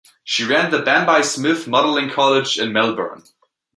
She ran the Bambi Smith Modelling College in Melbourne.